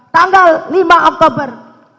tanggal lima oktober dua ribu dua puluh dua